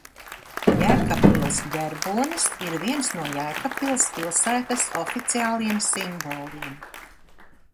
Jēkabpils ģerbonis ir viens no Jēkabpils pilsētas oficiāliem simboliem.